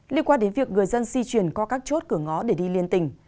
liên quan đến việc người dân di chuyển qua các chốt cửa ngõ để đi liên tỉnh